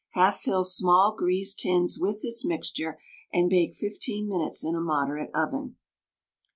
Half fill small greased tins with this mixture, and bake 15 minutes in a moderate oven.